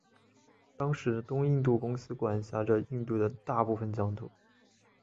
当时的东印度公司管辖着印度的大部分疆土。